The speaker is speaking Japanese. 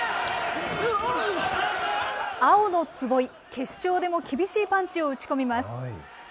青の坪井、決勝でも厳しいパンチを打ち込みます。